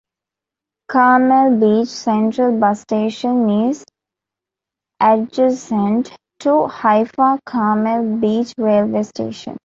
Carmel Beach Central Bus Station is adjacent to Haifa Carmel Beach Railway Station.